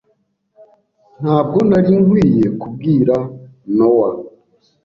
Ntabwo nari nkwiye kubwira Nowa?